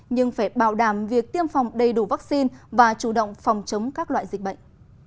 nhưng phải bảo đảm việc tiêm phòng đầy đủ vaccine và chủ động phòng chống các loại dịch bệnh